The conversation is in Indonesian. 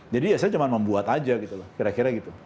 jadi ya saya cuma membuat aja gitu loh kira kira gitu